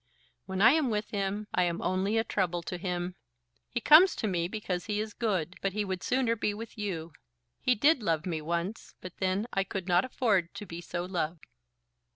When I am with him, I am only a trouble to him. He comes to me, because he is good; but he would sooner be with you. He did love me once; but then I could not afford to be so loved."